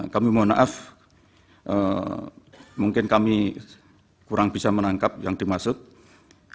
kami mohon maaf mungkin kami kurang bisa menangkap yang dimaksud